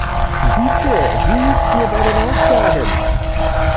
Bitte, du hilfst mir bei den Aufgaben.